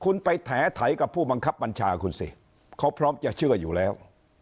คุณไปแถกับผู้บังคับบัญชาคุณสิเขาพร้อมจะเชื่ออยู่แล้ว